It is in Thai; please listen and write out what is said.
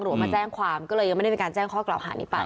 หรือมาแจ้งความเเกี่ยวเลยไม่ได้เจ้งข้อกรอกหารี่ไป